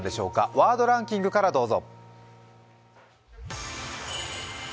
ワードランキングからどうぞ。